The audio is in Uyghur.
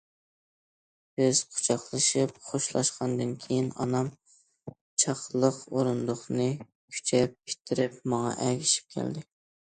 بىز قۇچاقلىشىپ خوشلاشقاندىن كېيىن، ئانام چاقلىق ئورۇندۇقنى كۈچەپ ئىتتىرىپ، ماڭا ئەگىشىپ كەلدى.